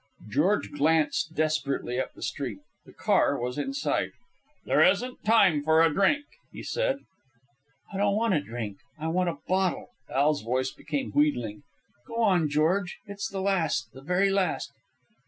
George glanced desperately up the street. The car was in sight. "There isn't time for a drink," he said. "I don't want a drink. I want a bottle." Al's voice became wheedling. "Go on, George. It's the last, the very last."